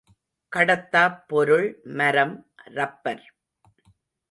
கடத்தாப் பொருள் மரம், ரப்பர்.